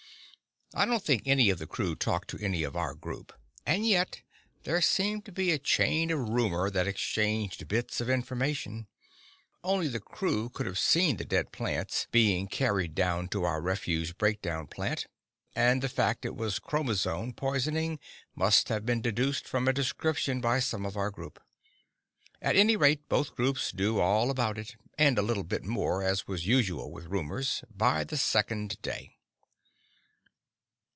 I don't think any of the crew talked to any of our group. And yet, there seemed to be a chain of rumor that exchanged bits of information. Only the crew could have seen the dead plants being carried down to our refuse breakdown plant; and the fact it was chromazone poisoning must have been deduced from a description by some of our group. At any rate, both groups knew all about it and a little bit more, as was usual with rumors by the second day.